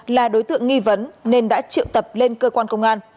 là đối tượng nghi vấn nên đã triệu tập lên cơ quan khám phá